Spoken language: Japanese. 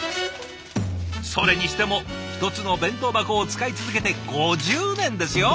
それにしても一つの弁当箱を使い続けて５０年ですよ。